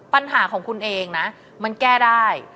ปัญหาของคุณเองนะมันแก้ได้